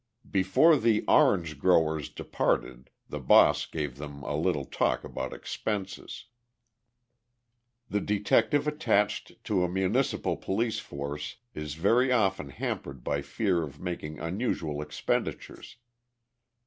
Before the "Orange Growers" departed, the "boss" gave them a little talk about expenses. The detective attached to a municipal police force is very often hampered by fear of making unusual expenditures.